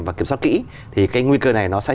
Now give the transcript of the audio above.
và kiểm soát kỹ thì cái nguy cơ này nó sẽ